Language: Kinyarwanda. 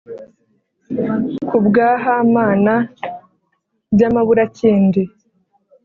Ku bwa hamana by’amaburakindi